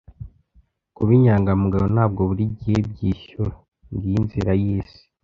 Kuba inyangamugayo ntabwo buri gihe byishyura. Ngiyo inzira y'isi.